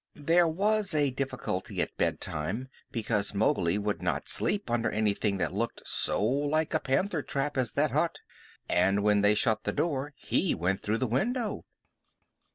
There was a difficulty at bedtime, because Mowgli would not sleep under anything that looked so like a panther trap as that hut, and when they shut the door he went through the window.